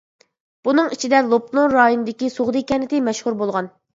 بۇنىڭ ئىچىدە لوپنۇر رايونىدىكى سوغدى كەنتى مەشھۇر بولغان.